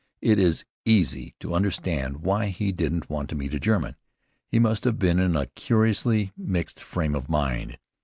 It is easy to understand why he didn't want to meet a German. He must have been in a curiously mixed frame of mind.